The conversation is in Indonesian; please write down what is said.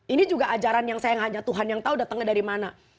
ini juga ajaran yang sayang hanya tuhan yang tahu datangnya dari mana